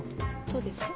そうですか？